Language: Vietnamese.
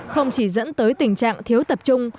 không chỉ dẫn tới tình trạng thiếu tập trung